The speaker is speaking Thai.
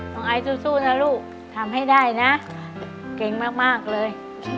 ไอสู้นะลูกทำให้ได้นะเก่งมากเลย